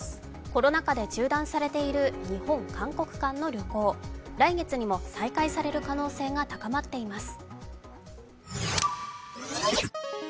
コロナ禍で中断されている日本、韓国間の旅行来月にも再開される可能性が高まっています。